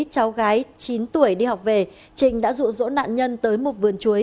trong khi cháu gái chín tuổi đi học về trình đã rụ rỗ nạn nhân tới một vườn chuối